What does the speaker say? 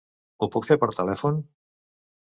Ho puc fer per telèfon?